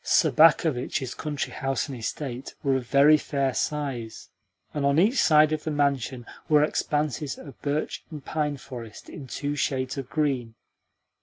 Sobakevitch's country house and estate were of very fair size, and on each side of the mansion were expanses of birch and pine forest in two shades of green.